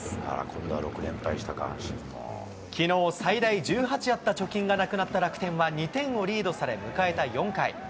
きのう、最大１８あった貯金がなくなった楽天は２点をリードされ、迎えた４回。